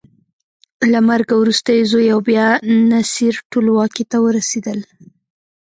له مرګه وروسته یې زوی او بیا نصر ټولواکۍ ته ورسېدل.